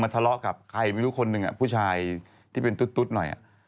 ทะเลาะกับใครไม่รู้คนหนึ่งผู้ชายที่เป็นตุ๊ดหน่อย